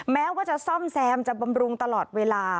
แม้ว่าจะซ่อมแซมจะบำรุงตลอดเวลา